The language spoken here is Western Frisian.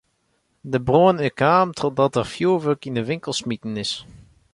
De brân is kaam trochdat der fjoerwurk yn de winkel smiten is.